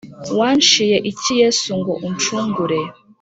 Wanciye iki yesu ngo uncungure